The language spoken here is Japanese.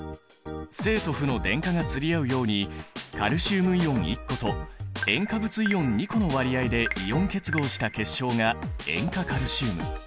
正と負の電荷が釣り合うようにカルシウムイオン１個と塩化物イオン２個の割合でイオン結合した結晶が塩化カルシウム。